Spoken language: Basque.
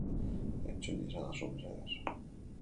Entzun iezadazu, mesedez.